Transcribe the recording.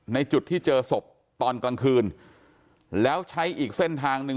ในจุดที่เจอศพตอนกลางคืนแล้วใช้อีกเส้นทางหนึ่ง